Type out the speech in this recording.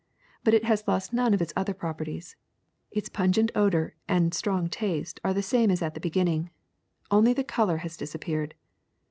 But it has lost none of its other properties ; its pungent odor and strong taste are the same as at the beginning. Only the color has disappeared.